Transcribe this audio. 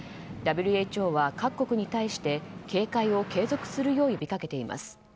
ＷＨＯは各国に対して警戒を継続するよう呼びかけています。